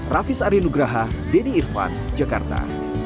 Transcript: raffis arie nugraha denny irvan jakarta